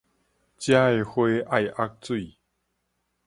遮的花愛沃水